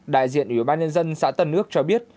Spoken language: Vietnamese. đại diện ủy ban nhân dân xã tân nước cho biết